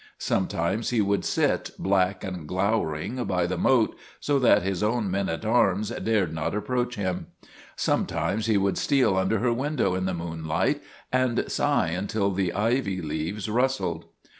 Sometimes he would sit, black and glowering, by the moat, so that his own men at arms dared not approach him. Sometimes he would steal under her window in the moonlight and sigh until the ivy leaves rustled.